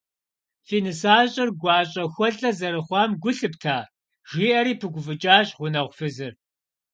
- Фи нысащӏэр гуащӏэхуэлъэ зэрыхъуам гу лъыпта? - жиӏэри пыгуфӏыкӏащ гъунэгъу фызыр.